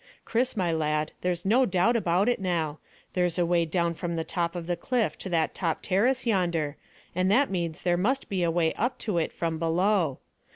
Chris, my lad, there's no doubt about it now. There's a way down from the top of the cliff to that top terrace yonder, and that means there must be a way up to it from below.